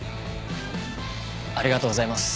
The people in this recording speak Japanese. ありがとうございます。